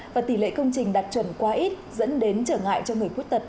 và tỷ lệ công trình đạt chuẩn quá ít dẫn đến trở ngại cho người khuyết tật